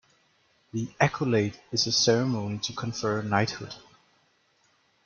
The accolade is a ceremony to confer knighthood.